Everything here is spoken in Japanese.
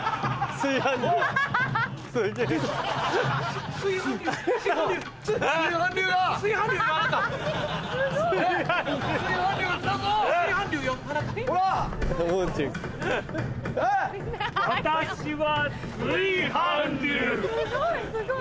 すごい！